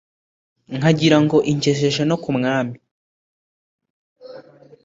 Nkagirango ingejeje no ku Mwami